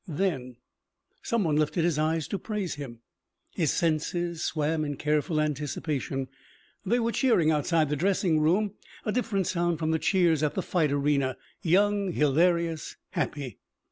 "Then." Someone lifted his eyes to praise him. His senses swam in careful anticipation. They were cheering outside the dressing room. A different sound from the cheers at the fight arena. Young, hilarious, happy.